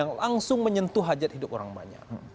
program program yang langsung menyentuh hajat hidup orang banyak